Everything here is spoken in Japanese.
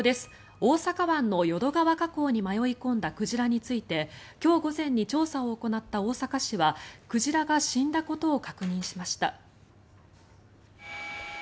大阪湾の淀川河口に迷い込んだ鯨について今日午前に調査を行った大阪市は鯨が死んだことを確認しました。